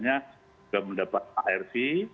nya sudah mendapat arv